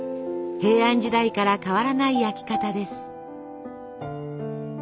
平安時代から変わらない焼き方です。